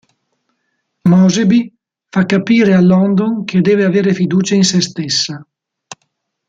Moseby fa capire a London che deve avere fiducia in se stessa.